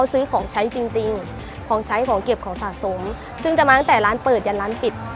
ซื้อของใช้จริงจริงของใช้ของเก็บของสะสมซึ่งจะมาตั้งแต่ร้านเปิดยันร้านปิด